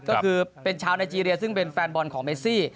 ก็คือเป็นชาวไนเจรียซึ่งเป็นแฟนบอลของเมซี่